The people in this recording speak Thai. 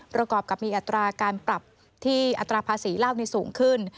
ประกอบกับมีอัตราการปรับที่อัตราภาษีเหล้าสูงขึ้น